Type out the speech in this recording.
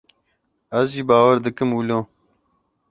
Ez jî bawer dikim wilo.